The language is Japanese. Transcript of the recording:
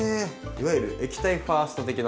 いわゆる「液体ファースト」的な。